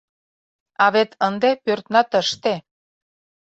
— «А вет ынде пӧртна тыште».